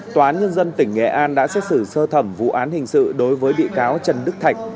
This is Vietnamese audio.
tòa án nhân dân tỉnh nghệ an đã xét xử sơ thẩm vụ án hình sự đối với bị cáo trần đức thạch